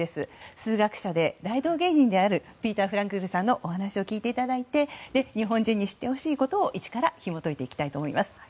数学者で大道芸人であるピーター・フランクルさんのお話を聞いていただいて日本人に知っていただきたいことを１からひも解いていきたいと思います。